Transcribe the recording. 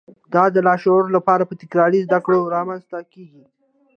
دا د لاشعور لپاره په تکراري زده کړو رامنځته کېږي